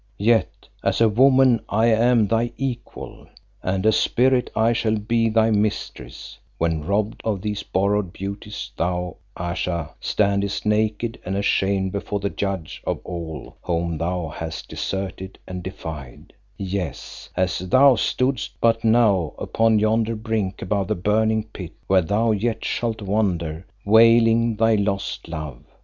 Yet as woman I am thy equal, and as spirit I shall be thy mistress, when robbed of these borrowed beauties thou, Ayesha, standest naked and ashamed before the Judge of all whom thou hast deserted and defied; yes, as thou stoodest but now upon yonder brink above the burning pit where thou yet shalt wander wailing thy lost love.